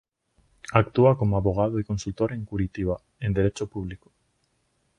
Actúa como abogado y consultor en Curitiba, en derecho público.